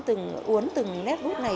từng uốn từng nét bút này